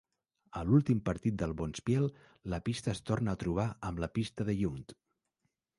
A l'últim partit del bonspiel, la pista es torna a trobar amb la pista de Yount.